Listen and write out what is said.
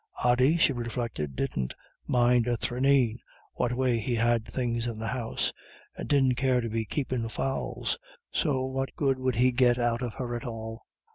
"Ody," she reflected, "didn't mind a thraneen what way he had things in the house, and didn't care to be keepin' fowls, so what good 'ud he get out of her at all?"